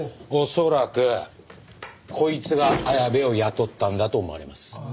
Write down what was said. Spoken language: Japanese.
恐らくこいつが綾部を雇ったんだと思われます。